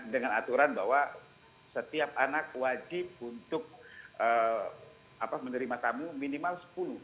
dengan aturan bahwa setiap anak wajib untuk menerima tamu minimal sepuluh